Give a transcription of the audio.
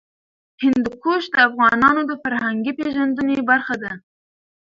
هندوکش د افغانانو د فرهنګي پیژندنې برخه ده.